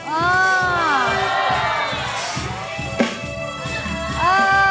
เออ